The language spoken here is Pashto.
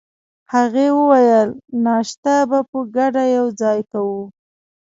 هغې وویل: ناشته به په ګډه یوځای کوو.